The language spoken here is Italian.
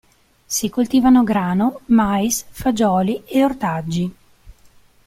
Si coltivano grano, mais, fagioli e ortaggi.